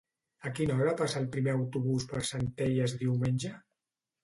A quina hora passa el primer autobús per Centelles diumenge?